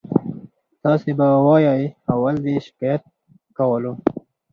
تاسې به وایئ اول دې شکایت کولو.